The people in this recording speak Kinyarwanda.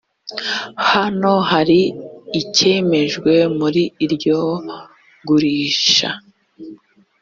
hano hari icyemejwe muri iryo gurisha